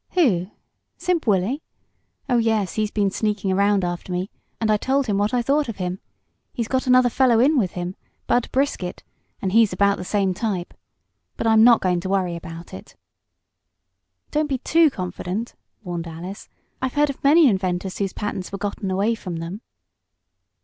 "Who, Simp Wolley? Oh, yes, he's been sneaking around after me, and I told him what I thought of him. He's got another fellow in with him Bud Brisket and he's about the same type. But I'm not going to worry about it." "Don't be too confident," warned Alice. "I've heard of many inventors whose patents were gotten away from them."